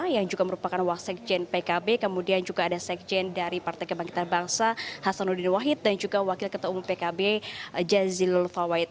yang juga merupakan wasekjen pkb kemudian juga ada sekjen dari partai kebangkitan bangsa hasanuddin wahid dan juga wakil ketua umum pkb jazilul fawait